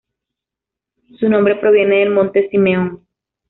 Su nombre proviene del Monte Simeón.